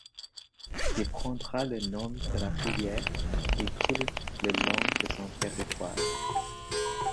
Il prendra le nom de la rivière qui coule le long de son territoire.